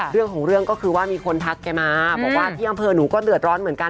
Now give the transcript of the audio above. เรื่องของเรื่องก็คือว่ามีคนทักแกมาบอกว่าที่อำเภอหนูก็เดือดร้อนเหมือนกัน